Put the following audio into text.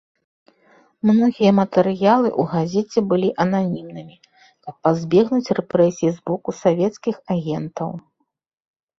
Многія матэрыялы ў газеце былі ананімнымі, каб пазбегнуць рэпрэсій з боку савецкіх агентаў.